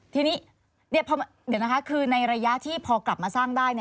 ทีนี้เดี๋ยวนะคะคือในระยะที่พอกลับมาสร้างได้